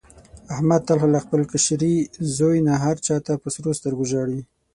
احمد تل له خپل کشري زوی نه هر چا ته په سرو سترګو ژاړي.